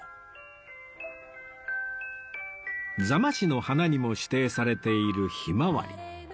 座間市の花にも指定されているひまわり